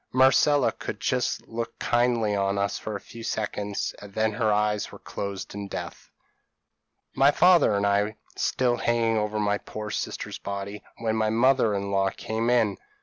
Marcella could just look kindly on us for a few seconds, and then her eyes were closed in death. "My father and I were still hanging over my poor sister's body, when my mother in law came in.